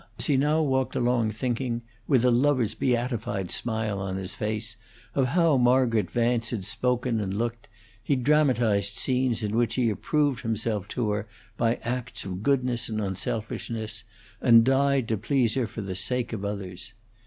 As he now walked along thinking, with a lover's beatified smile on his face, of how Margaret Vance had spoken and looked, he dramatized scenes in which he approved himself to her by acts of goodness and unselfishness, and died to please her for the sake of others.